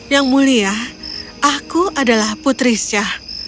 yang mulia aku adalah putri syah